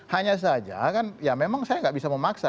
hanya saja kan ya memang saya nggak bisa memaksa